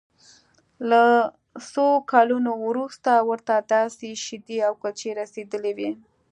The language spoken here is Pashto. له څو کلونو وروسته ورته داسې شیدې او کلچې رسیدلې وې